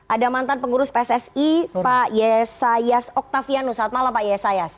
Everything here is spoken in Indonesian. ada mantan pengurus pssi pak yesayas oktavianus selamat malam pak yesayas